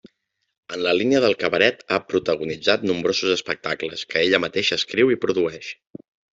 En la línia del cabaret ha protagonitzat nombrosos espectacles, que ella mateixa escriu i produeix.